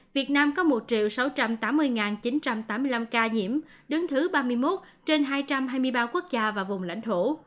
việt nam có một sáu trăm tám mươi chín trăm tám mươi năm ca nhiễm đứng thứ ba mươi một trên hai trăm hai mươi ba quốc gia và vùng lãnh thổ